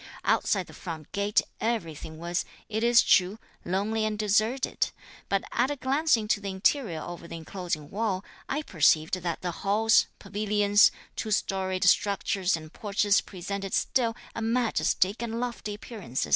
Outside the front gate everything was, it is true, lonely and deserted; but at a glance into the interior over the enclosing wall, I perceived that the halls, pavilions, two storied structures and porches presented still a majestic and lofty appearance.